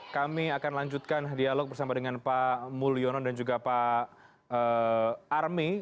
kami akan lanjutkan dialog bersama dengan pak mulyono dan juga pak armi